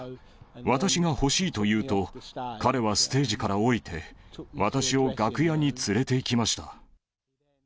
私が欲しいと言うと、彼はステージから降りて、私を楽屋に連れていきました。